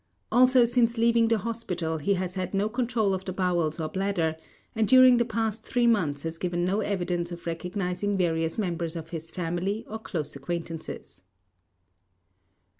Also since leaving the hospital he has had no control of the bowels or bladder and during the past three months has given no evidence of recognizing various members of his family or close acquaintances.